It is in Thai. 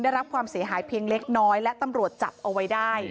ได้รับความเสียหายเพียงเล็กน้อยและตำรวจจับเอาไว้ได้